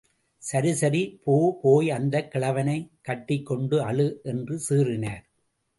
சரி சரி போ போய் அந்தக் கிழவனைக் கட்டிக் கொண்டு அழு என்று சீறினார்.